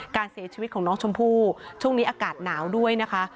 การเสียชีวิตของน้องชมพู่ช่วงนี้อากาศหนาวด้วยนะคะ